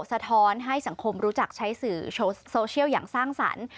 สะท้อนให้สังคมรู้จักใช้สื่อโซเชียลอย่างสร้างสรรค์